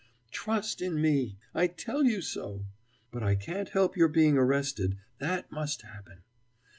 Trust in me! I tell you so. But I can't help your being arrested that must happen.